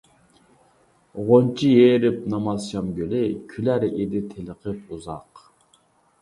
غۇنچە يېرىپ نامازشام گۈلى، كۈلەر ئىدى تېلىقىپ ئۇزاق.